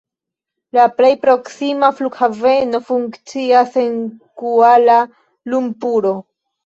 La plej proksima flughaveno funkcias en Kuala-Lumpuro.